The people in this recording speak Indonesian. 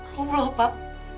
oh allah pak